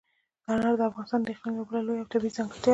انار د افغانستان د اقلیم یوه بله لویه او طبیعي ځانګړتیا ده.